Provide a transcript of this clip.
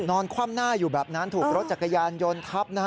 คว่ำหน้าอยู่แบบนั้นถูกรถจักรยานยนต์ทับนะฮะ